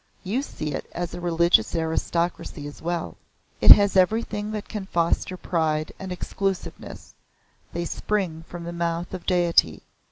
You see it is a religious aristocracy as well. It has everything that can foster pride and exclusiveness. They spring from the Mouth of Deity.